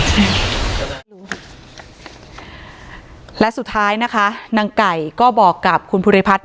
สุดท้ายและสุดท้ายนะคะนางไก่ก็บอกกับคุณภูริพัฒน์